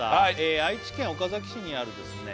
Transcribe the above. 愛知県岡崎市にあるですね